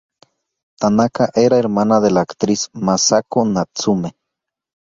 Tanaka era hermana de la actriz Masako Natsume.